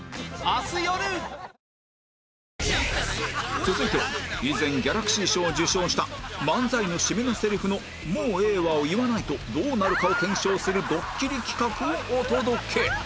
続いては以前ギャラクシー賞を受賞した漫才の締めのセリフの「もうええわ」を言わないとどうなるかを検証するドッキリ企画をお届け